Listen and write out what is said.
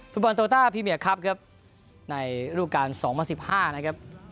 ธุบันโตต้าพิเมียครับครับในรูปการณ์สองมาสิบห้านะครับ